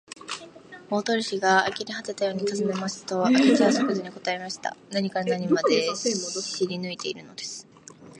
大鳥氏があきれはてたようにたずねますと、明智はそくざに答えました。何から何まで知りぬいているのです。